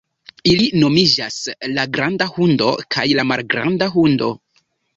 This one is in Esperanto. Ili nomiĝas la Granda Hundo kaj la Malgranda Hundo.